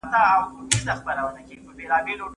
که سمه پرېکړه ونه سي پايلي به يې خطرناکې وي.